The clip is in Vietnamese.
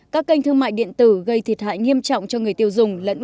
các kênh thương mại điện tử gây thiệt hại nghiêm trọng cho người tiêu dùng lẫn